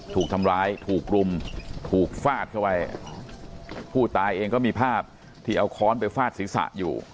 ถูกทำร้ายถูกรุมถูกฟาดเข้าไปผู้ตายเองก็มีภาพที่เอาค้อนไปฟาดศีรษะอยู่